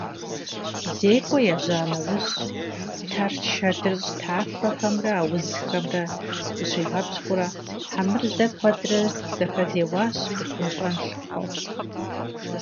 ЗекӀуэ ежьа нэужь, Тэрч адрыщӀ тафэхэмрэ аузхэмрэ зыщигъэпщкӀуурэ, Хьэмырзэ куэдрэ зэхэзеуащ, къихъунщӀэн лъыхъуэу.